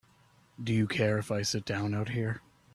Do you care if I sit down out here?